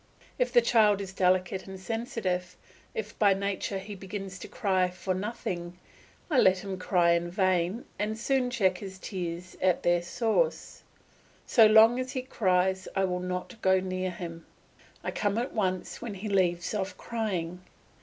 If the child is delicate and sensitive, if by nature he begins to cry for nothing, I let him cry in vain and soon check his tears at their source. So long as he cries I will not go near him; I come at once when he leaves off crying.